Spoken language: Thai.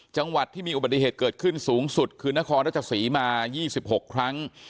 จังหวัดที่มีอุบัติเหตุเกิดขึ้นสูงสุดคือนครรัชศรีมา๒๖ครั้ง